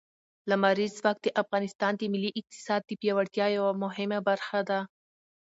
لمریز ځواک د افغانستان د ملي اقتصاد د پیاوړتیا یوه مهمه برخه ده.